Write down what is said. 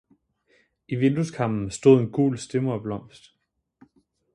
I vindueskarmen stod en gul stedmoderblomst.